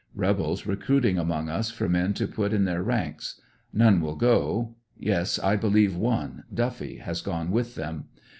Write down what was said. Rebels recruiting among us for men to put in their ranks. None will go — yes, I believe one Duffy has gone with them.